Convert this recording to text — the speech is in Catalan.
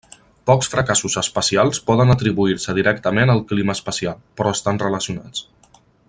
Pocs fracassos espacials poden atribuir-se directament al clima espacial, però estan relacionats.